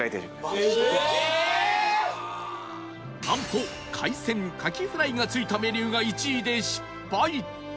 なんと海鮮かきフライが付いたメニューが１位で失敗